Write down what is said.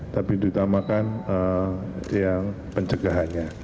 tapi ditamakan yang pencegahannya